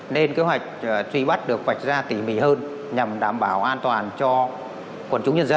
nên kế hoạch truy bắt được vạch ra tỉ mỉ hơn nhằm đảm bảo an toàn cho quần chúng nhân dân